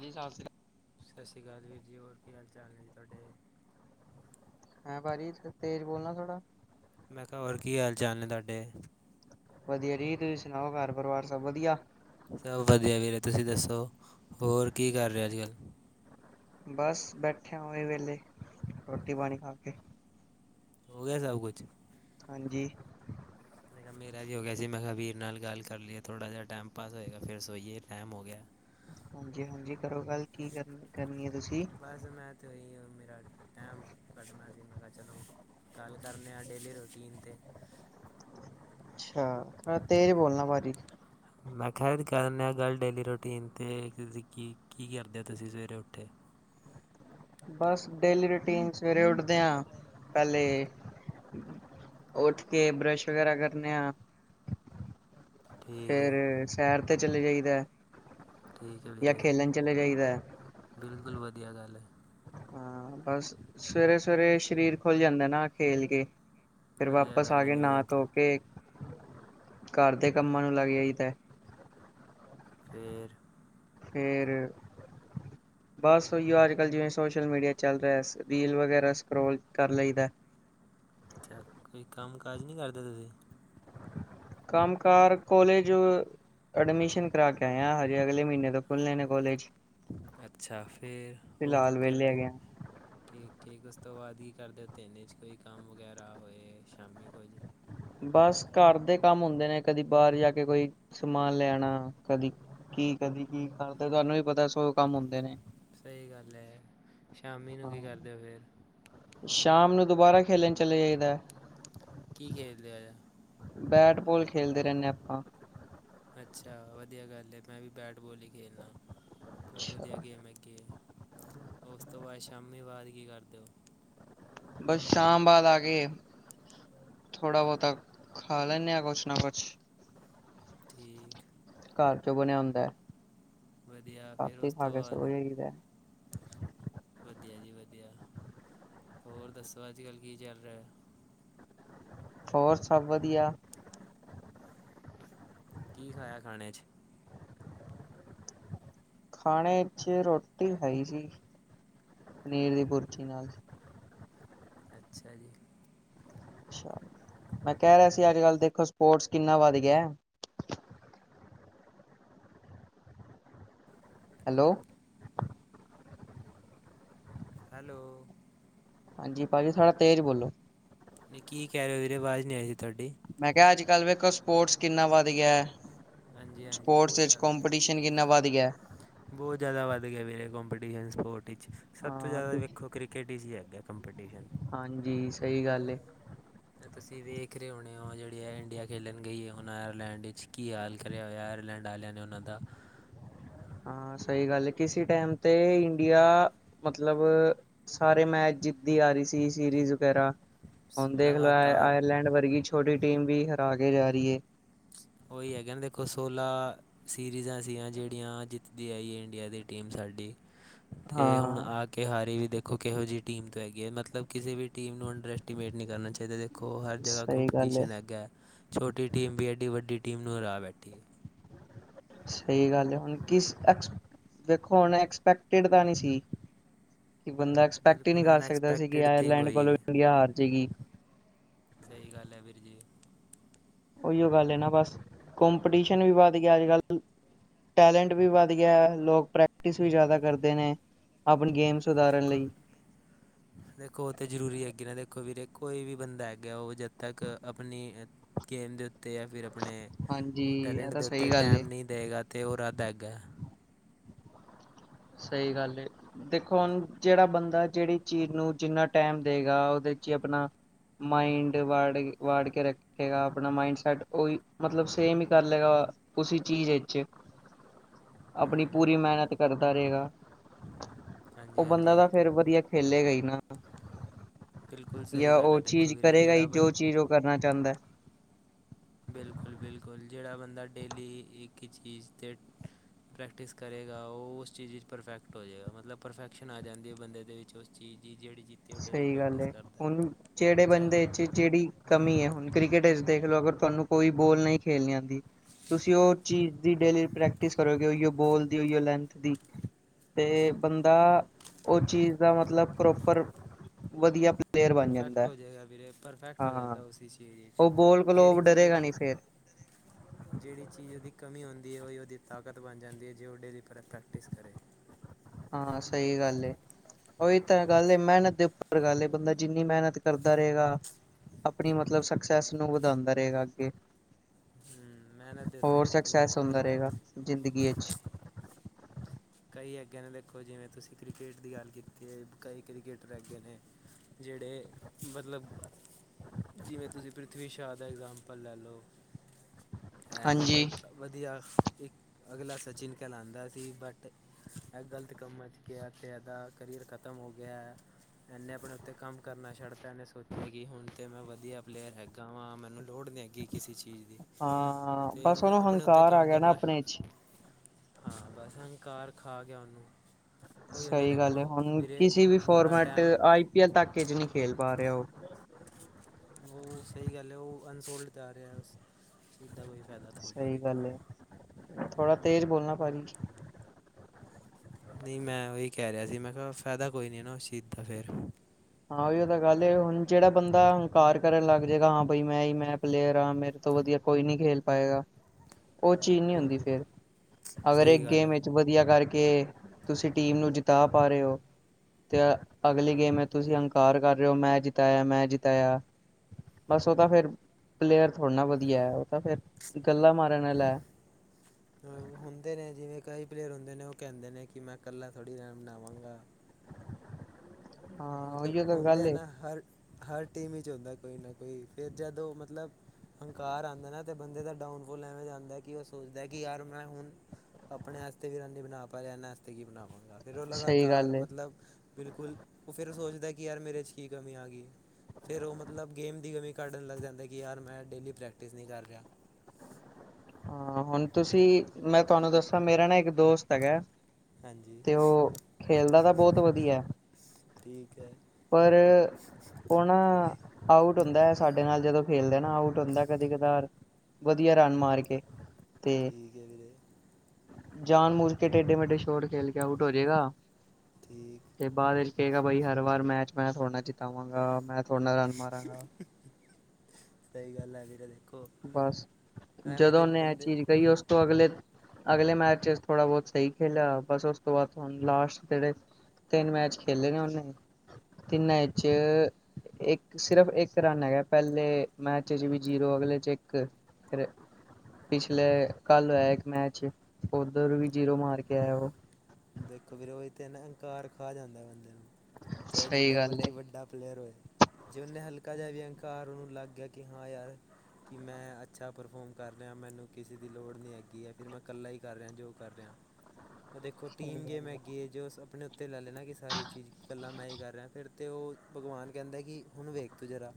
ਵੀ ਸਸ ਸ੍ਰੀ ਕਾਲ ਸਸ ਸ਼੍ਰੀ ਕਾਲ ਵੀਰ ਜੀ ਹੋਰ ਕੀ ਹਾਲ- ਚਾਲ ਨੇ ਜੀ ਤੁਹਾਡੇ? ਹੈਂ ਭਾਜੀ, ਥੋੜਾ ਤੇਜ ਬੋਲਣਾ ਥੋੜਾ। ਮੈਂ ਕਿਹਾ ਹੋਰ ਕੀ ਹਾਲ -ਚਾਲ ਨੇ ਤੁਹਾਡੇ? ਵਧੀਆ ਜੀ ਤੁਸੀਂ ਸੁਣਾਓ ਘਰ ਪਰਿਵਾਰ ਸਭ ਵਧੀਆ? ਸਭ ਵਧੀਆ ਵੀਰੇ, ਤੁਸੀ ਦਸੋ ਹੋਰ ਕੀ ਕਰ ਰਹੇ ਅੱਜ-ਕੱਲ੍ਹ? ਬਸ ਬੈਠਿਆ ਉਹੀ ਵੇਲੇ ਰੋਟੀ ਪਾਣੀ ਖਾ ਕੇ। ਹੋ ਗਿਆ ਸਭ ਕੁਛ। ਹਾਂਜੀ ਦੇੇਖ ਮੇਰਾ ਵੀ ਹੋ ਗਿਆ ਸੀ, ਮੈਂ ਕਿਹਾ ਵੀਰ ਨਾਲ ਗੱਲ ਕਰ ਲਈਏ ਥੋੜ੍ਹਾ ਜਿਹਾ ਟਾਈਮ ਪਾਸ ਹੋਏਗਾ ਫਿਰ ਸੋਈਏ ਟਾਈਮ ਹੋ ਗਿਆ ਐ। ਹਾਂਜੀ ਹਾਂਜੀ, ਕਰੋ ਗੱਲ ਕੀ ਕਰਨ-ਕਰਨੀ ਐ ਤੁਸੀਂ। ਬਸ ਮੈਂ ਤੇ ਇਹੀ ਮੇਰਾ ਟਾਈਮ ਕੱਟਣਾ ਸੀ ਮੈਂ ਕਿਹਾ ਚਲੋ ਗੱਲ ਕਰਨੇ ਹਾਂ ਡੇਲੀ ਰੂਟੀਨ 'ਤੇ ਅੱਛਾ, ਹਾ ਤੇਜ ਬੋਲਣਾ ਵਾਰੀ ਚ ਮੈਂ ਖਿਆ ਕਰ ਨਿਆ ਗੱਲ ਡੇਲੀ ਰੂਟੀਨ 'ਤੇ ਤੁਸੀਂ ਕੀ- ਕੀ ਕਰਦੇ ਹੋ ਤੁਸੀਂ ਸਵੇਰੇ ਉੱਠੇ ਬਸ ਡੇਲੀ ਰੂਟੀਨ ਸਵੇਰੇ ਉੱਠਦੇ ਆ ਪਹਿਲੇ ਉੱਠ ਕੇ ਬਰਸ਼ ਵਗੈਰਾ ਕਰਨੇ ਆ। [inaudible] ਹੈ ਫੇਰ ਸ਼ਹਿਰ ਤੇ ਚਲੇ ਜਾਈਦਾ ਐ। ਠੀਕ ਐ ਵੀਰੇ, ਬਿਲਕੁਲ ਵਧੀਆ ਗੱਲ ਐ। ਹਾਂ ਬਸ ਸਵੇਰੇ-ਸਵੇਰੇ ਸਰੀਰ ਖੁੱਲ ਜਾਂਦਾ ਨਾ ਖੇਲ ਕੇ। ਫੇਰ ਵਧੀਆ ਵਾਪਸ ਆ ਗੱਲ ਹੈ ਕੇ, ਵੀਰੇ ਦੇਖੋ ਨਾ-ਧੋ ਕੇ, ਘਰ ਦੇ ਕੰਮਾਂ ਨੂੰ ਲੱਗ ਜਾਈ ਦਾ। ਫੇਰ ਫੇਰ ਬਸ ੳਈਓ ਅੱਜ-ਕੱਲ ਜਿਵੇਂ ਸੋਸ਼ਲ ਮੀਡੀਆ ਚੱਲ ਰੇਆ, ਰੀਲ ਵਗੈਰਾ ਸਕਰੋਲ ਕਰ ਲਈਦਾ। ਅੱਛਾ, ਕੋਈ ਕੰਮ-ਕਾਜ ਨਈ ਕਰਦੇ ਤੁਸੀ? ਕੰਮ ਕਾਰ ਕੋਲੇਜ ਅਡਮਿਸ਼ਨ ਕਰਾ ਕੇ ਆਏਆ ਹਜੇ ਅਗਲੇ ਮੀਨੇ ਤੋਂ ਖੁੱਲਣੇ ਨੇ ਕੋਲੇਜ। ਅੱਛਾ ਫੇਰ ਹੋਰ ਫਿਲਹਾਲ ਵਿਹਲੇ ਕੀਰਦੇ? ਹੈਗੇ ਆ। ਠੀਕ ਠੀਕ ੳਸ ਤੋਂ ਬਾਦ ਕੀ ਕਰਦੇ ੳ ਦਿਨ ਚ ਕੋਈ ਕੰਮ ਵਗੈਰਾ ਹੋਏ ਸ਼ਾਮੀ ਕੁਝ ਬਸ ਘਰ ਦੇ ਕੰਮ ਹੁੰਦੇ ਨੇ ਕਦੀ ਬਾਹਰ ਜਾ ਕੇ ਕੋਈ ਸਮਾਨ ਲੈ ਆਨਾ, ਕਦੀ ਕੀ ਕਦੀ ਕੀ ਕਰਦੇ, ਤਾਨੂੰ ਵੀ ਪਤਾ ਸੌ ਕੰਮ ਹੁੰਦੇ ਨੇ ਸਹੀ ਗੱਲ ਐ। ਸ਼ਾਮੀ ਨੂੰ ਕੀ ਹਾਂ। ਕਰਦੇ ੳ ਫੇਰ? ਸ਼ਾਮ ਨੂੰ ਦੁਬਾਰਾ ਖੇਲਣ ਚਲੇ ਜਾਈਦਾ। ਕੀ ਖੇਲਦੇ ਆਯਾ? ਬੈਟਬੋਲ ਖੇਲਦੇ ਰੇਨੇ ਆਂ ਆਪਾਂ। ਅੱਛਾ ਵਧੀਆ ਗੱਲ ਏ, ਮੈਂ ਵੀ ਬੈਟ ਬੋਲ ਈ ਖੇਲਨਾ, ਬੋਤ ਵਧੀਆ ਅੱਛਾ ਗੇਮ ਹੈਗੀ ਏ। ੳਸ ਤੋਂ ਬਾਦ ਸ਼ਾਮੀ ਬਾਦ ਕੀ ਕਰਦੇ ੳ? ਬਸ ਸ਼ਾਮ ਬਾਦ ਆ ਕੇ ਥੋੜਾ ਬੋਤਾ ਖਾ ਲੈਨੇ ਆ ਕੁਛ ਨਾ ਕੁਛ। ਠੀਕ ਘਰ ਜੋ ਬਣੇਆ ਹੁੰਦਾ ਐ। ਵਧੀਆ, ਫੇਰ ੳਸ ਤੋ ਬਾਦ? ਸੋ ਜਾਈਦਾ ਵਧੀਆ ਜੀ ਵਧੀਆ। ਹੋਰ ਦੱਸੋ ਅੱਜ-ਕੱਲ ਕੀ ਚੱਲ ਰੇਆ? ਹੋਰ ਸਭ ਵਧੀਆ। ਕੀ ਖਾਆ ਖਾਣੇ ਚ? ਖਾਣੇ ਚ ਰੋਟੀ ਖਾਈ ਸੀ ਪਨੀਰ ਦੀ ਭੁਰਜੀ ਨਾਲ। ਅੱਛਾ ਜੀ। ਅੱਛਾ। ਮੈਂ ਕੈ ਰੇਆ ਸੀ ਅੱਜ-ਕੱਲ ਦੇਖੋ ਸਪੋਟਸ ਕਿਨਾ ਵੱਧ ਗਿਆ। ਹੈਲੋ ਹੈਲੋ ਹਾਂਜੀ ਭਾੱਜੀ ਥੋੜਾ ਤੇਜ਼ ਬੋਲੋ। ਨਈ ਕੀ ਕੈ ਰਏ ੳ ਵੀਰੇ, ਆਵਾਜ ਨਈ ਆਈ ਸੀ ਤੁਹਾਡੀ। ਮੈਂ ਕੇਆ ਅੱਜ-ਕੱਲ ਵੇਖੋ ਸਪੋਟਸ ਕਿਨਾ ਵੱਧ ਗਿਆ। ਹਾਂਜੀ ਹਾਂਜੀ ਸਪੋਟਸ ਵਿਚ ਕੋੰਪੀਟੀਸ਼ਨ ਕਿਨਾ ਵੱਧ ਗਿਆ। ਬੋਤ ਜਾਦਾ ਵੱਧ ਗੇਆ ਵੀਰੇ ਕੋਂਪੀਟੀਸ਼ਨ ਸਪੋਰਟ ਵਿੱਚ, ਸਭ ਤੋਂ ਹਾਂ ਜਾਦਾ ਵੇਖੋ ਕ੍ਰੀ ਕੇਟ ਇਚ ਹੀ ਹੈਗਾ ਕੰਪੀਡਿਸ਼ਨ। ਹਾਂਜੀ ਸਹੀ ਗੱਲ ਏ। ਏ ਤੁਸੀ ਵੇਖ ਰਏ ਹੋਨੇ ੳ ਜੇੜੀ ਐ ਇੰਡੀਆ ਖੇਲਣ ਗਈ ਏ ਹੁਨ ਆਏਰਲੈਂਡ ਵਿੱਚ, ਕੀ ਹਾਲ ਕਰੇਆ ਹੋਏਆ ਆਏਰਲੈਂਡ ਆਲੇਆ ਨੇ ੳਨਾ ਦਾ। ਹਾਂ ਸਹੀ ਗੱਲ ਏ। ਕਿਸੇ ਟਾਈਮ ਤੇ ਇੰਡੀਆ ਮਤਲਬ ਸਾਰੇ ਮੈਚ ਜਿੱਤਦੀ ਆ ਰਈ ਸੀ ਸੀਰੀਜ਼ ਵਗੈਰਾ ਹੁਣ ਦੇਖ ਲੋ ਆਏਰ ਲਗਾਤਾਰ ਆਏਰਲੈਂਡ ਵਰਗੀ ਛੋਟੀ ਟੀਮ ਵੀ ਹਰਾ ਕੇ ਜਾ ਰਈ ਏ। ੳਈ ਹੈਗਾ ਨਾ ਦੇਖੋ ਸੋਲਾ ਸੀਰੀਜਾਂ ਸੀਆਂ ਜੇੜੀਆਂ ਜਿੱਤਦੀ ਆਈ ਏ ਇੰਡੀਆ ਦੀ ਟੀਮ ਸਾਡੀ ਤੇ ਹੁਣ ਹਾਂ ਆ। ਕਿ ਹਾਰੀ ਵੀ ਦੇਖੋ ਕਿਹੋ ਜੀ ਟੀਮ ਤੋਂ ਹੈਗੀ ਐ, ਮਤਲਬ ਕਿਸੇ ਵੀ ਟੀਮ ਨੂੰ ਅੰਡਰ ਐਸਟੀਮੇਟ ਨੀਂ ਕਰਨਾ ਚਾਹੀਦਾ ਦੇਖੋ। ਦੇਖੋ ਹਰ ਜਗ੍ਹਾ ਸਹੀ ਗੱਲ ਹੈ ਕੰਪੀਟੀਸ਼ਨ ਹੈਗਾ ਐ, ਛੋਟੀ ਟੀਮ ਵੀ ਐਡੀ ਵੱਡੀ ਟੀਮ ਨੂੰ ਹਰਾ ਬੈਠੀ ਐ। ਸਈ ਗੱਲ ਆ ਹੁਣ ਕਿਸ ਐ। ਦੇਖੋ ਹੁਣ ਐਕਸਪੈਕਟਿਡ ਤਾਂ ਨੀਂ ਸੀ। ਕਿ ਬੰਦਾ ਐਕਸਪੈਕਟ ਈ ਨੀਂ ਬਿਲਕੁਲ ਕਰ ਸਕਦਾ ਸੀ ਕਿ ਅਨਐਕਸਪੈਕਟਿਡ ਥਿੰਗ ਆਇਰਲੈਂਡ ਹੋਈ ਕੋਲੋਂ ਏ ਇੰਡੀਆ ਹਾਰ ਜੇਗੀ। ਸਹੀ ਗੱਲ ਐ, ਵੀਰ ਜੀ। ਉਹੀਓ ਗੱਲ ਐ ਨਾ ਬਸ, ਕੌੰਪਟੀਸ਼ਨ ਵੀ ਵੱਧ ਗਿਆ ਅੱਜ-ਕੱਲ੍ਹ। ਟੈਲੈਂਟ ਵੀ ਵੱਧ ਗਿਆ, ਲੋਕ ਪ੍ਰੈਕਟਿਸ ਵੀ ਜ਼ਿਆਦਾ ਕਰਦੇ ਨੇ ਆਪਣੀ ਗੇਮਸ। ਦੇਖੋ। ਦੇਖੋ ਉਹ ਤੇ ਜ਼ਰੂਰੀ ਹੈਗੇ ਨਾ, ਦੇਖੋ ਵੀਰੇ ਕੋਈ ਵੀ ਬੰਦਾ ਹੈਗਾ ਏ, ਉਹ ਜਦ ਤੱਕ ਆਪਣੀ। ਗੇਮ ਦੇ ਉੱਤੇ ਜਾਂ ਫਿਰ ਆਪਣੇ, ਹਾਂਜੀ ਇਹ ਟੈਲੈਂਟ ਤਾਂ ਦੇ ਉੱਤੇ ਸਹੀ ਗੱਲ ਟੈਮ ਏ। ਨਈ। ਦੇਗਾ ਤੇ ਉਹ ਰੱਦ ਹੈਗਾ। ਸਹੀ ਗੱਲ ਏ। ਦੇਖੋ ਹੁਣ, ਜਿਹੜਾ ਬੰਦਾ, ਜਿਹੜੀ ਚੀਜ਼ ਨੂੰ ਜਿੰਨਾ ਟੈਮ ਦੇਏਗਾ ਉਹਦੇ ਚ ਈ ਅਪਣਾ। ਮਾਈਂਡ ਵੜ, ਵਾੜ ਕੇ ਰਕ। ਖੇਗਾ ਆਪਣਾ ਮਾਇੰਡ ਸੈਟ ਓਹੀ, ਮਤਲਬ ਸੇਮ ਈ ਕਰ ਲਏਗਾ ਉਸਸੀ ਚੀਜ਼ ਵਿੱਚ। [unintelligible] ਹੂੰ ਆਪਣੀ ਪੂਰੀ ਮਿਹਨਤ ਕਰਦਾ ਰਏਗਾ, ਹਾਂਜੀ ਉਹ ਬੰਦਾ ਹਾਂਜੀ ਤਾਂ ਫੇਰ ਵਧੀਆ। ਖੇਲੇ ਗਾ ਈ ਨਾ। ਬਿਲਕੁਲ ਸਹੀ ਜਾਂ ਗੱਲ ਉਹ ਹੈ ਦੇਖੋ ਚੀਜ਼ ਵੀਰੇ ਕਰੇਗਾ ਹੀ, ਜਿਹੜਾ ਜੋ ਬੰ ਚੀਜ਼ ਉਹ ਕਰਨਾ ਚਾਹੰਦਾ ਐ। ਬਿਲਕੁਲ-ਬਿਲਕੁਲ, ਜਿਹੜਾ ਬੰਦਾ ਡੇਲੀ ਇੱਕ ਹੀ ਚੀਜ਼ ਤੇ। ਪ੍ਰੈਕਟਿਸ ਕਰੇਗਾ, ਉਹ ਉਸ ਚੀਜ਼ ਵਿੱਚ ਪਰਫੈਕਟ ਹੋ ਜਾਏਗਾ, ਮਤਲਬ ਪਰਫੈਕਸ਼ਨ ਆ ਜਾਂਦੀ ਐ ਬੰਦੇ ਦੇ ਵਿੱਚ ਉਸ ਚੀਜ ਦੀ ਜਿਹੜੀ ਚੀਜ਼। ਸਹੀ ਗੱਲ ਏ, ਹੁਣ ਜਿਹੜੇ ਚਾਹੇ ਬੰਦੇ ਉਹ ਚ ਜਿਹੜੀ ਕਮੀ ਐ ਹੁਣ ਕ੍ਰਿਕਟ ਵਿੱਚ ਦੇਖ ਲਓ ਅਗਰ ਤੁਹਾਨੂੰ ਕੋਈ ਬੋਲ ਨਈ ਖੇਲਣੀ ਆਂਦੀ। ਤੁਸੀਂ ਉਹ ਚੀਜ਼ ਦੀ ਡੇਲੀ ਪ੍ਰੈਕਟਿਸ ਕਰੋਗੇ, ਉਹੀਓ ਬੋਲ ਦੀ, ਉਹੀਓ ਲੈਂਥ ਦੀ। - ਤੇ ਬੰਦਾ ਓ ਚੀਜ਼ ਦਾ ਮਤਲਬ ਪ੍ਰੋਪਰ। ਵਧੀਆ। ਪਲੇਅਰ ਬਣ ਪਰਫੈਕਟ ਜਾਂਦਾ ਹੋ ਜਾਏਗਾ ਵੀਰੇ, ਪਰਫੈਕਟ ਹੋ ਹਾਂ ਜਾਂਦਾ ਉਸੀ ਚੀਜ਼ ਵਿਚ ਉਹ ਬੋਲ ਜਿਹੜੀ ਕੋਲੋਂ ਚੀਜ਼ ਡਰੇਗਾ ਉਹਦੀ। ਨਹੀਂ ਫੇਰ [unintelligible] ਜਿਹੜੀ ਚੀਜ਼ ਉਦੀ ਕਮੀ ਹੁੰਦੀ, ਉਹੀ ਉਹਦੀ ਤਾਕਤ ਬਣ ਜਾਂਦੀ ਐ, ਜੇ ਉਹ ਡੇਲੀ ਪਰਤ ਪ੍ਰੈਕਟਿਸ ਕਰੇ। ਹਾਂ ਸਹੀ ਗੱਲ ਏ। ਉਹੀ ਤਾਂ ਗੱਲ ਏ, ਮਿਹਨਤ ਦੇ ਉੱਪਰ ਗੱਲ ਏ, ਬੰਦਾ ਜਿੰਨੀ ਮਿਹਨਤ ਕਰਦਾ ਰਹੇਗਾ। ਆਪਣੀ ਮਤਲਬ ਸਕਸੈਸ ਨੂੰ ਵਧਾਂਦਾ ਰਹੇਗਾ ਅੱਗੇ। ਹਮ, ਮਿਹਨਤ ਦੇ ਉੱਤੇ ਹੋਰ ਦੇਖੋ ਵੀਰੇ ਸਕਕਸੈਸ ਸਾਰੀ ਹੁੰਦਾ ਰਹੇਗਾ, ਗੱਲ ਜ਼ਿੰਦਗੀ ਵਿਚ। ਕਈ ਅੱਗੇ ਨੇ ਦੇਖੋ ਜਿਵੇਂ ਤੁਸੀਂ ਕ੍ਰਕੇਟ ਦੀ ਗੱਲ ਕੀਤੀ ਐ, ਕਈ ਕ੍ਰਿਕੇਟਰ ਰਹਿਗਏ ਨੇ। ਜਿਹੜੇ, ਮਤਲਬ। ਜਿਵੇਂ ਤੁਸੀਂ ਪ੍ਰਿਥਵੀ ਸ਼ਾਹ ਦਾ ਇਗਜ਼ਾਮਪਲ ਲੈ ਲਓ। ਐ ਹਾਂਜੀ ਮਤਲਬ ਵਧੀਆ, ਇੱਕ ਅਗਲਾ ਸਚਿਨ ਕਹਿਲਾਂਦਾ ਸੀ ਬਟ। ਐ ਗਲਤ ਕੰਮਾਂ 'ਚ ਗਿਆ ਤੇ ਐਹਦਾ ਕਰੀਅਰ ਖਤਮ ਹੋ ਗਿਆ ਐ। ਇਹਨੇ ਆਪਣੇ ਉੱਤੇ ਕੰਮ ਕਰਨਾ ਛੱਡਤਾ ਇਹਨੇ ਸੋਚਿਆ ਕਿ ਹੁਣ ਤੇ ਮੈਂ ਵਧੀਆ ਪਲੇਅਰ ਹੈਗਾ ਵਾਂ ਮੈਨੂੰ ਲੋੜ ਨੀਂ ਹੈਗੀ। ਕਿਸੇ ਚੀਜ਼ ਦੀ ਹਾਂ ਤੇ ਬਸ ਉਹਨੇ ਉਹਨੂੰ ਆਪਣੇ ਉੱਤੇ ਹੰਕਾਰ ਆ ਕੰਮ ਗਿਆ ਨਾ ਕਰਨਾ। ਆਪਣੇ ਚ ਹਾਂ ਬਸ ਹੰਕਾਰ ਖਾ ਗਿਆ ਉਹਨੂੰ। ਉਹੀ ਹੁੰਦਾ ਸਹੀ ਗੱਲ ਐ, ਦੇਖੋ ਹੁਣ ਓ ਵੀਰੇ ਕਿਸੇ ਵੀ ਮਾੜਾ ਫੋਰਮੈਟ ਤੇ, ਟਾਈਮ ਆਈ ਪੀ ਐਲ ਤੱਕ ਚ ਨਹੀਂ ਖੇਲ ਪਾ ਰਿਆ ਉਹ। ਉਹ ਸਹੀ ਗੱਲ ਹੈ ਉਹ ਅਨਸੋਲਡ ਜਾ ਰਿਹਾ ਇਹਦਾਂ ਕੋਈ। ਫਾਇਦਾ ਥੋੜ੍ਹੀ ਸਹੀ ਦੇਖੋ ਗੱਲ ਹੈ ਥੋੜਾ ਤੇਜ਼ ਬੋਲਣਾ ਭਾਜੀ। ਨਹੀਂ ਮੈਂ ਉਹੀ ਕਹਿ ਰਿਹਾ ਸੀ ਮੈਂ ਕਿਹਾ ਫਾਇਦਾ ਕੋਈ ਨਹੀਂ ਨਾ ਉਸ ਚੀਜ ਦਾ ਫੇਰ। ਹਾਂ ਉਹ ਤਾਂ ਗੱਲ ਹੁਣ ਜਿਹੜਾ ਬੰਦਾ ਹੰਕਾਰ ਕਰਨ ਲੱਗ ਜਾਏਗਾ ਹਾਂ ਬਾਈ ਮੈਂ ਹੀ ਮੈਂ ਪਲੇਅਰ ਹਾਂ ਮੇਰੇ ਤੋਂ ਵਧੀਆ। ਕੋਈ ਨਹੀਂ ਖੇਲ ਪਾਏਗਾ। ਉਹ ਚੀਜ਼ ਨਹੀਂ ਹੁੰਦੀ ਬਿਲਕੁਲ ਫਿਰ, ਅਗਰ ਇਹ ਸਹੀ ਗੱਲ ਗੇਮ ਹੈ ਵਿੱਚ ਵਧੀਆ ਕਰਕੇ ਕਿ ਤੁਸੀਂ ਟੀਮ ਨੂੰ ਜਿਤਾ ਪਾ ਰਹੇ ਹੋ, ਤੇ ਅਗਲੀ ਗੇਮ ਹੈ। ਤੁਸੀਂ ਅੰਹਕਾਰ ਕਰ ਰਹੇ ਹੋ, ਮੈਂ ਜਿਤਾਇਆ ਮੈਂ ਜਿਤਾਇਆ। ਬਸ ਉਹ ਤਾਂ ਫੇਰ ਪਲੇਅਰ ਥੋੜ੍ਹਾ ਨਾ ਵਧੀਆ ਹੈ ਉਹ ਤਾਂ ਫੇਰ ਗੱਲਾ ਮਾਰਨ ਵਾਲਾ ਐ ਹੁੰਦੇ ਨੇ ਜਿਵੇਂ ਕਈ ਪਲੇਅਰ ਹੁੰਦੇ ਨੇ ਉਹ ਕਹਿੰਦੇ ਨੇ ਕਿ ਮੈਂ ਇਕੱਲਾ ਥੋੜ੍ਹੀ ਰਣ ਬਨਾਵਾਂਗਾ। ਹਾਂ ਮਤਲਬ ਉਹੀਓ ਤਾਂ ਹੁੰਦੇ ਗੱਲ ਹੈ ਏ ਨਾ, ਹਰ ਹਰ ਟੀਮ ਵਿੱਚ ਹੁੰਦਾ ਕੋਈ ਨਾ ਕੋਈ ਫਿਰ ਜਦੋਂ ਮਤਲਬ ਅਹੰਕਾਰ ਆਉਂਦਾ ਨਾ ਅਤੇ ਬੰਦੇ ਦਾ ਡਾਊਨਫੋਲ ਐਵੇਂ ਆਂਦਾ ਹੈ, ਕਿ ਉਹ ਸੋਚਦਾ ਹੈ ਕਿ ਯਾਰ ਮੈਂ ਹੁਣ ਆਪਣੇ ਵਾਸਤੇ ਵੀ ਰਾਨ ਬਣਾ ਪਾ ਰਿਹਾ, ਇਹਨਾਂ ਵਾਸਤੇ ਕੀ ਬਣਾਵਾਂਗਾ। ਫਿਰ ਉਹ ਸਹੀ ਲਗਾਤਾਰ ਗੱਲ ਏ ਮਤਲਬ ਬਿਲਕੁਲ, ਉਹ ਫਿਰ ਸੋਚਦਾ ਕਿ ਯਾਰ ਮੇਰੇ 'ਚ ਕੀ ਕਮੀ ਆ ਗਈ। ਫਿਰ ਉਹ ਮਤਲਬ ਗੇਮ ਦੀ ਕਮੀ ਕੱਢਣ ਲੱਗ ਜਾਂਦਾ, ਕਿ ਯਾਰ ਮੈਂ ਡੇਲੀ ਪ੍ਰੈਕਟਿਸ ਨਹੀਂ ਕਰ ਰਿਹਾ। ਹਾਂ ਹੁਣ ਤੁਸੀਂ, ਮੈਂ ਤੁਹਾਨੂੰ ਦੱਸਾਂ ਮੇਰਾ ਨਾ ਇੱਕ ਦੋਸਤ ਹੈਗਾ ਹਾਂਜੀ ਤੇ ਉਹ ਖੇਲਦਾ ਤਾਂ ਬਹੁਤ ਵਧੀਆ। ਠੀਕ ਹੈ। ਪਰ-‍- ਹੁਣ ਆਊਟ ਹੁੰਦਾ ਹੈ, ਸਾਡੇ ਨਾਲ ਜਦੋਂ ਖੇਲਦੇ ਨਾ ਆਊਟ ਹੁੰਦਾ ਕਦੇ ਕਦਾਰ। ਵਧੀਆ ਰਨ ਮਾਰ ਕੇ। ਤੇ ਠੀਕ ਹੈ ਵੀਰੇ। ਜਾਨ ਮੂਚ ਕੇ ਟੇਡੇ ਮੇਢੇ ਸ਼ਛੋਰ ਖੇਲ ਕੇ ਆਊਟ ਹੋ ਜੇਗਾ। ਠੀਕ। ਤੇ ਬਾਦ ਵਿੱਚ ਕਹੇਗਾ ਬਈ ਹਰ ਵਾਰ ਮੈਚ ਮੈਂ ਥੋੜੇ ਨਾਲ ਜਿਤਾਵਾਂਗਾ, ਮੈਂ ਥੋੜੇ ਨਾ ਰਨ ਮਾਰਾਂਗਾ। ਸਹੀ ਗੱਲ ਹੈ ਵੀਰੇ ਤੇ। ਬਸ ਜਦੋਂ ਉਹਨੇ ਇਹ ਬੰਦੇ ਚੀਜ਼ ਕਹੀ ਉਸ ਅਗਲੇ ਅਗਲੇ ਮੈਚ ਚ ਥੋੜਾ ਬਹੁਤ ਸਹੀ ਖੇਲਿਆ, ਬਸ ਉਸ ਤੋਂ ਬਾਅਦ ਤੁ ਲਾਸਟ ਜਿਹੜੇ ਤਿੰਨ ਮੈਚ ਖੇਲੇ ਨੇ ਉਹਨੇ, ਤਿੰਨਾ ਇਚ ਇੱਕ ਸਿਰਫ ਇੱਕ ਰਨ ਹੈਗਾ, ਪਹਿਲੇ ਮੈਚ ਚ ਵੀ ਜੀਰੋ ਅਗਲੇ ਚ ਇਕ ਪਿਛਲੇ ਕੱਲ ਹੋਇਆ ਇੱਕ ਮੈਚ ਓਧਰ ਵੀ ਜੀਰੋ ਮਾਰ ਕੇ ਆਇਆ ਉਹ ਦੇਖੋ ਵੀਰੇ, ਉਹੀ ਤੇ ਨਾ ਅਹੰਕਾਰ ਖਾ ਜਾਂਦਾ ਬੰਦੇ ਨੂੰ ਚਾਹੇ ਸਹੀ ਜਿ੍ਡਾ ਗੱਲ ਮਰਜ਼ੀ ਏ ਵੱਡਾ ਪਲੇਅਰ ਹੋਏ ਜਿ ਉਨੇ ਹਲਕਾ ਜਿਹਾ ਵਿ ਅਹੰਕਾਰ ਉਹਨੂੰ ਲੱਗ ਗਿਆ ਕਿ ਹਾਂ ਯਾਰ ਕਿ ਮੈਂ ਅੱਛਾ ਪਰਫੋਰਮ ਕਰ ਰਿਹਾ, ਮੈਨੂੰ ਕਿਸੇ ਦੀ ਲੋੜ ਨਹੀਂ ਹੈਗੀ ਹੈ ਫਿਰ ਮੈਂ ਇਕੱਲਾ ਹੀ ਕਰ ਰਿਹਾ ਜੋ ਕਰ ਰਿਹਾ ਔ ਸਹੀ ਟੀਮ ਗੱਲ ਏ ਹੈਗੀ ਐ, ਜੋ ਆਪਣੇ ਉੱਤੇ ਲੈ ਲੈਣਾ ਕਿ ਸਾਰੀ ਚੀਜ਼ ਇਕੱਲਾ ਮੈਂ ਈ ਕਰ ਰਿਹਾ ਫਿਰ ਤੇ ਉਹ ਭਗਵਾਨ ਕਹਿੰਦਾ ਕਿ ਉਨੂੰ ਵੇਖ ਤੂੰ ਜ਼ਰਾ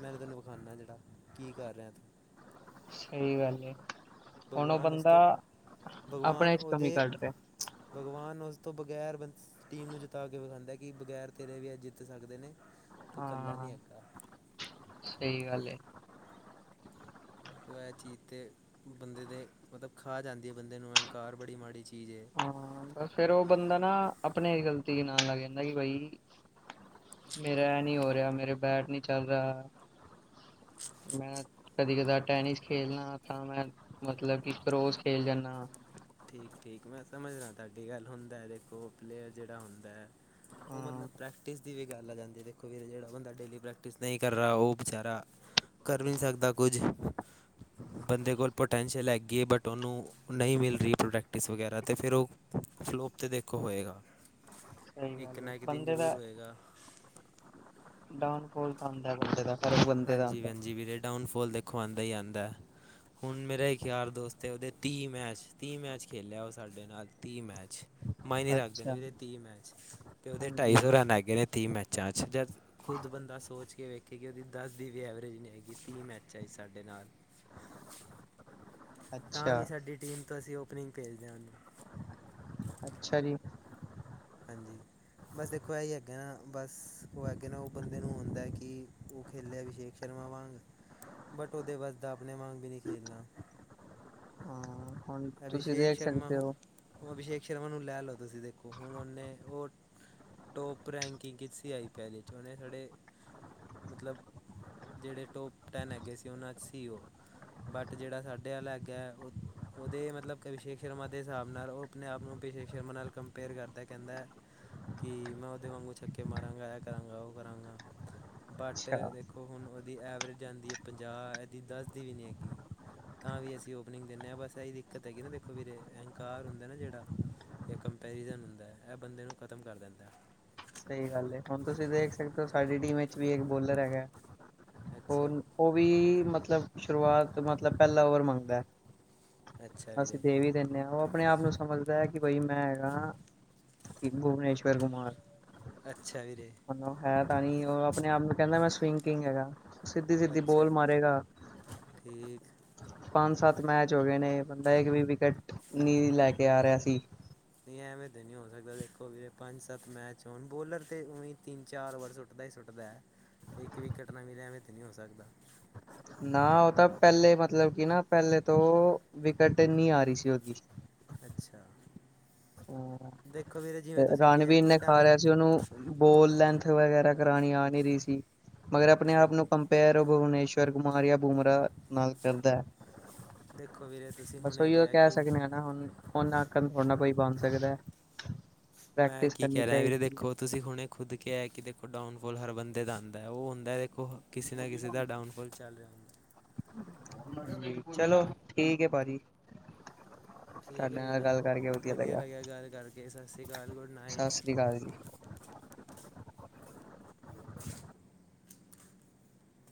ਮੈਂਨ ਤੈਨੂੰ ਵਿਖਾਉਂਦਾ ਜਿਹੜਾ, ਕੀ ਕਰ ਰਿਹਾ ਐ ਤੂ ਸਹੀ ਗੱਲ ਏ, ਹੁਣ ਉਹ ਭਗਵਾਨ ਉਸ ਬੰਦਾ ਤੋਂ ਭਗਵਾਨ ਆਪਣੇ ਚ ਕਮੀ ਉਹਦੇ ਕੱਢ ਰਿਹਾ ਭਗਵਾਨ ਉਸ ਤੋਂ ਬਗੈਰ ਬਸ ਟੀਮ ਨੂੰ ਜਿਤਾ ਕੇ ਵਿਖਾਦਾ, ਕਿ ਬਗੈਰ ਤੇਰੇ ਵੀ ਐ ਜਿੱਤ ਸਕਦੇ ਨੇ ਤੂੰ ਇਕੱਲਾ ਹਾਂ ਨਹੀਂ ਹੈਗਾ ਸਹੀ ਗੱਲ ਏ ਔ ਐ ਚੀਜ਼ ਤੇ ਬੰਦੇ ਦੇ, ਮਤਲਬ ਖਾ ਜਾਂਦੀ ਹੈ ਬੰਦੇ ਨੂੰ ਅਹੰਕਾਰ ਬੜੀ ਮਾੜੀ ਚੀਜ਼ ਹੈ ਹਾਂ, ਫੇਰ ਉਹ ਬੰਦਾ ਨਾ ਆਪਣੇ ਗ਼ਲਤੀ ਨਾਲ ਲੱਗ ਜਾਂਦੈ ਕਿ ਬਾਈ। ਮੇਰਾ ਐ ਨਹੀਂ ਹੋ ਰਿਹਾ ਮੇਰਾ ਬੈਟ ਨੀ ਚੱਲ ਰਿਹਾ। ਮੈਂ ਕਦੀ ਕਦਾਰ ਟੈਨਿਸ ਖੇਲਣਾ ਤਾਂ ਮੈਂ। ਮਤਲਬ ਕਿ ਰੋਜ਼ ਖੇਲ ਜਾਂਨਾ। ਠੀਕ -ਠੀਕ ਮੈਂ ਸਮਝਦਾ ਤੁਹਾਡੀ ਗੱਲ ਹੁੰਦਾ ਦੇਖੋ ਪਲੇਅਰ ਜਿਹੜਾ ਹੁੰਦੈ। ਉਹ ਹਾਂ ਮਤਲਬ ਪ੍ਰੈਕਟਿਸ। ਦੀ ਵੀ ਗੱਲ ਆ ਜਾਂਦੀ ਦੇਖੋ ਵੀ ਜਿਹੜਾ ਬੰਦਾ ਡੇਲੀ ਪ੍ਰੈਕਟਿਸ ਨਹੀਂ ਕਰਹਾ ਉਹ ਬਚਾਰਾ। ਕਰ ਨੀ ਸਕਦਾ ਕੁਝ। ਬੰਦੇ ਕੋਲ ਪੋਟੈਂਸ਼ੀਅਲ ਹੈਗੀਏ ਬਟ ਉਹਨੂੰ ਨਹੀਂ ਮਿਲ ਰਹੀ। ਪ੍ਰੋੈਕਟਿਸ ਵਗੈਰਾ ਅਤੇ ਫਿਰ ਉਹ ਫਲੋਪ ਤੇ ਦੇਖੋ ਹੋਏਗਾ। ਸਹੀ ਇੱਕ ਗੱਲ ਹੈ ਨਾ ਇੱਕ ਦਿਨ ਬੰਦੇ ਜ਼ਰੂਰ ਦਾ ਹੋਏਗਾ ਡਾਊਨ ਫੋਲ ਤਾਂ ਹਉਂਦਾ ਬੰਦੇ ਦਾ। ਹਰ ਬੰਦੇ ਦਾ ਹਾਂਜੀ ਆਉਂਦਾ ਵੀਰ ਜੀ ਵੀਰੇ ਡਾਊਨ ਫੋਲ ਦੇਖੋ ਆਂਦਾ ਹੀ ਆਂਦਾ। ਹੁਣ ਮੇਰਾ ਇੱਕ ਯਾਰ ਦੋਸਤ ਹੈ ਉਹਦੇ ਤੀਹ ਮੈਚ, ਤੀਹ ਮੈਚ ਖੇਲਿਆ ਉਹ ਸਾਡੇ ਨਾਲ ਤੀਹ ਮੈਚ। ਮਈਨੇ ਹੈ। ਰੱਖਦੇ ਨੇ ਅੱਛਾ ਵੀਰੇ ਉਹਦੇ ਤੀਹ ਮੈਚ ਤੇ ਉਹਦੇ ਢਾਈ ਹਾਂਜੀ ਸੌ ਰਨ ਹੈਗੇਏ ਨੇ ਤੀਹ ਮੈਚਾਂ 'ਚ ਜਦ। ਖੁਦ ਬੰਦਾ ਸੋਚ ਕੇ ਵੇਖੇ ਕਿ ਉਹਦੀ ਦਸ ਦੀ ਵੀ ਐਵਰੇਜ ਨਹੀਂ ਹੈਗੀ ਤੀਹ ਮੈਚਾਂ ਵਿੱਚ ਸਾਡੇ ਨਾਲ। ਤਾਂ ਅੱਛਾ ਵੀ ਸਾਡੀ ਟੀਮ ਤੋਂ ਅਸੀਂ ਉਪਨਿੰਗ ਭੇਜਦੇ ਹਾਂ ਉਹੂੰ। ਅੱਛਾ ਜੀ। ਹਾਂਜੀ, ਬਸ ਦੇਖੋ ਇਹ ਹੀ ਹੈੱਗੇ ਨਾ ਬਸ ਉਹ ਹੈਗੇ ਨਾ ਉਹ ਬੰਦੇ ਨੂੰ ਹੁੰਦੈ ਕਿ। ਉਹ ਖੇਲਿਆ ਅਭਿਸ਼ੇਕ ਸ਼ਰਮਾ ਵਾਂਗ ਬਟ ਉਹਦੇ ਵਸਦਾ ਆਪਣੇ ਵਾਂਗ ਵੀ ਨਹੀਂ ਖੇਲਣਾ। ਹਾਂ ਹੁਣ ਤੁਸੀਂ ਅਭਿਸ਼ੇਕ ਦੇਖ ਸ਼ਰਮਾ ਸਕਦੇ ਹੁ। ਹੋ ਹੁਣ ਅਭਿਸ਼ੇਕ ਸ਼ਰਮਾ ਨੂੰ ਲੈ ਲਓ ਤੁਸੀਂ ਦੇਖੋ। ਹੁਣ ਉਹਨੇ ਉਹ ਟੋਪ ਰੈਂਕਿੰਗ ਕੀਤੀ ਸੀ ਆਈ ਪੀ ਐੱਲ ਹੁਣੇ। ਮਤਲਬ ਜਿਹੜੇ ਟੋਪ ਟੈਨ ਹੈਗੇ ਸੀ ਉਹਨਾਂ 'ਚ ਸੀ ਉਹ। ਬਟ ਜਿਹੜਾ ਸਾਡੇ ਵਾਲ ਹੈਗੈ। ਉਹਦੇ ਮਤਲਬ ਅਭਿਸ਼ੇਕ ਸ਼ਰਮਾ ਦੇ ਹਿਸਾਬ ਨਾਲ ਉਹ ਆਪਣੇ ਆਪ ਨੂੰ ਅਭਿਸ਼ੇਕ ਸ਼ਰਮਾ ਨਾਲ। ਪੇਅਰ ਕਰਦਾ ਕਹਿੰਦੈ। ਕਿ ਮੈਂ ਉਹਦੇ ਵਾਂਗੂ ਛੱਕੇ ਮਾਰਾਂਗਾ ਐ ਕਰਾਂਗਾ ਉਹ ਕਰਾਂਗਾ ਬਟ। ਅੱਛਾ ਹੁਣ ਉਹਦੀ ਐਵਰੇਜ ਜਾਂਦੀ ਹੈ ਪੰਜਾਹ ਇਹਦੀ ਦੱਸ ਦੀ ਵੀ ਨਹੀਂ ਹੈਗੀ। ਤਾਂ ਵੀ ਅਸੀਂ ਓਪਨਿੰਗ ਦਿੰਦੇ ਹਾਂ ਬਸ ਇਹੀ ਦਿੱਕਤ ਹੈਗੀ ਨਾ ਦੇਖੋ ਵੀਰੇ ਅਹੰਕਾਰ ਹੁੰਦਾ ਨਾ ਜਿਹੜਾ। ਇਹ ਕੰਪੈਰੀਜ਼ਨ ਹੁੰਦਾ ਐ ਬੰਦੇ ਨੂੰ ਖ਼ਤਮ ਕਰ ਦਿੰਦੈ। ਸਹੀ ਗੱਲ ਏ ਹੁਣ ਤੁਸੀਂ ਦੇਖ ਸਕਦੇ ਹੋ ਸਾਡੀ ਟੀਮ ਵਿੱਚ ਵੀ ਇੱਕ ਬੋਲਰ ਹੈਗੈ ਅੱਛਾ ਹੋਰ। ਉਹ ਵੀ ਮਤਲਬ ਸ਼ੁਰੂਆਤ ਮਤਲਬ ਪਹਿਲਾ ਓਵਰ ਮੰਗਦੈ। ਅੱਛਾ ਅਸੀਂ ਵੀਰੇ ਦੇ ਵੀ ਦਿੰਦੇ ਹਾਂ ਉਹ ਆਪਣੇ ਆਪ ਨੂੰ। ਸਮਝਦਾ ਹੈ ਕਿ ਬਈ ਮੈਂ ਹੈਗਾ ਭੁਵਨੇਸ਼ਵਰ ਕੁਮਾਰ। ਅੱਛਾ ਵੀਰੇ। ਮਤਲਬ ਹੈ ਤਾਂ ਨੀ ਉਹ ਆਪਣੇ ਆਪ ਨੂੰ ਕਹਿੰਦਾ ਮੈਂ ਸਵਿੰਗ ਕਿੰਗ ਹੈਗਾ ਸਿੱਧੀ -ਸਿੱਧੀ ਅੱਛਾ ਬੋਲ ਮਾਰੇਗਾ। ਠੀਕ। ਪੰਜ ਸੱਤ ਮੈਚ ਹੋ ਗਏ ਨੇ ਬੰਦਾ ਇੱਕ ਵੀ ਵਿਕਟ ਨਹੀਂ ਲੈ ਕੇ ਆ ਰਿਹਾ ਸੀ। ਐਵੇਂ ਤੇ ਨਹੀਂ ਹੋ ਸਕਦਾ ਦੇਖੋ ਵੀ ਪੰਜ ਸੱਤ ਮੈਚ ਹੋਣ ਬੋਲਰ ਤੇ ਉਂ ਤਿੰਨ ਚਾਰ ਓਵਰ ਸੁੱਟ। ਸਿੱਧਾ ਹੀ ਸੁੱਟਦਾ ਹੈ ਇੱਕ ਵੀਕਟ ਨ ਮਿਲਿਆ ਐਵੇਂ ਤਾਂ ਨਹੀਂ ਹੋ ਸਕਦਾ। ਨਾ ਉਹ ਤਾਂ ਪਹਿਲੇ ਮਤਲਬ ਕਿ ਨਾ ਪਹਿਲੇ ਤੋਂ ਵਿਕਟ ਇੰਨੀ ਆ ਰਹੀ ਸੀ ਉਹਦੀ। ਅੱਛਾ। ਦੇਖੋ ਵੀਰੇ ਜਿਵੇਂ ਤੁਸੀਂ ਕਿਹਾ ਰਾਣਵੀਰ ਕਿ ਨੇ ਖਾ ਡਾਊਨ ਰਿਹਾ ਸੀ ਉਹਨੂੰ। ਬੋਲ ਲੈਂਨਥ ਵਗੈਰਾ ਕਰਾਣੀ ਆ ਨਹੀਂ ਰਹੀ ਸੀ ਮਗਰ ਆਪਣੇ ਦੇ ਆਪ ਨੂੰ ਕੰਮ। ਪੇਰੋ ਭੁਵਨੇਸ਼ਰ ਕੁਮਾਰੀ ਆਪ। ਬੂਮਰਾ ਨਾਲ ਕਰਦਾ ਦੇਖੋ ਵੀਰੇ ਤੁਸੀਂ ਬਸ ਹੁਣੇ ਉਹੀਓ ਕਿਹਾ ਕਹਿ ਕਿ ਸਕਦੇ ਹਾਂ ਨਾ ਹੁਣ ਉਹਨਾਂ ਕੰਮਫੜ ਕੋਈ ਬਣ ਸਕਦਾ ਮੈਂ ਪ੍ਰੈਕਟਿਸ ਕੀ ਕਰਨੀ ਕਹਿ ਰਿਹਾ ਵੀਰੇ ਚਾਹੀਦੀ। ਦੇਖੋ ਤੁਸੀਂ ਹੁਣੇ ਖੁਦ ਕਿਹਾ ਹੈ ਕਿ ਦੇਖੋ ਡਾਊਨਫੋਲ ਹਰ ਬੰਦੇ ਦਾ ਆਉਂਦਾ ਹੈ ਉਹ ਹੁੰਦਾ ਦੇਖੋ ਕਿਸੇ ਨਾ ਕਿਸੇ ਦਾ ਡਾਊਨਫੋਲ ਚੱਲ ਰਿਹਾ ਹੁੰਦਾ ਚਲੋ ਠੀਕ ਹੈ ਭਾਜੀ ਹ ਠੀਕ ਤੁਹਾਡੇ ਹੈ ਨਾਲ ਵੀਰੇ ਗੱਲ ਕਰਕੇ ਵਧੀਆ ਲੱਗਿਆ ਗੱਲ ਕਰਕੇ ਸਤਿ ਸ਼੍ਰੀ ਅਕਾਲ ਗੁੱਡ ਸਤਿ ਸ੍ਰੀ ਅਕਾਲ ਜੀ ਨਾਈਟ